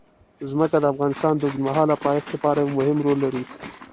ځمکه د افغانستان د اوږدمهاله پایښت لپاره یو مهم رول لري.